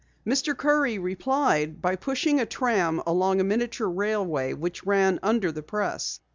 Mr. Curry replied by pushing a tram along a miniature railway which ran under the press.